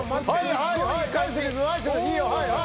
はいはいはい！